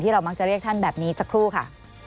เรามักจะเรียกท่านแบบนี้สักครู่ค่ะ